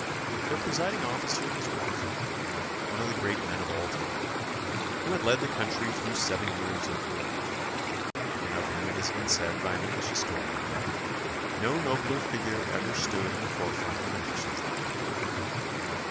Their presiding officer was Washington, one of the great men of all time, who had led the country through seven years of war, and of whom it has been said by an English historian that "no nobler figure ever stood in the forefront of a nation's life."